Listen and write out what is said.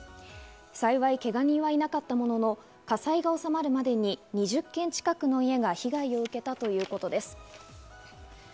幸いけが人はいなかったものの、火災がおさまるまでに２０軒近くの家が被害を受けたということです。